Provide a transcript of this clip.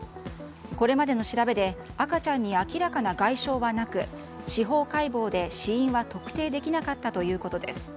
これまでの調べで赤ちゃんに明らかな外傷はなく司法解剖で死因は特定できなかったということです。